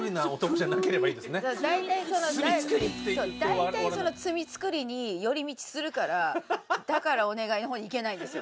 大体その「罪つくり」に寄り道するから「だからお願い」の方に行けないんですよ。